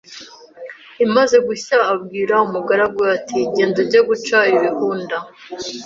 imaze gushya abwira umugaragu we ati genda ujye guca ibihunda